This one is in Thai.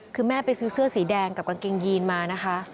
คือแม่ไปซื้อเสื้อสีแดงกับกางเกงยีนมานะคะ